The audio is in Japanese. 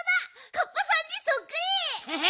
カッパさんにそっくり！ヘヘ。